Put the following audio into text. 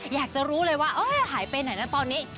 อยากจะรู้เลยว่าหายไปไหนนะตอนนี้